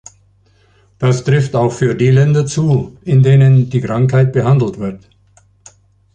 Das trifft auch für die Länder zu, in denen die Krankheit behandelt wird.